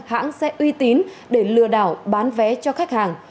hãng xe uy tín để lừa đảo bán vé cho khách hàng